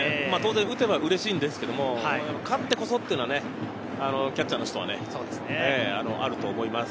勝てば当然うれしいんですけど、勝ってこそっていうのはキャッチャーとしてはあると思います。